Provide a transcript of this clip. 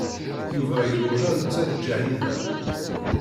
Yuba iruja netta d Ǧahida.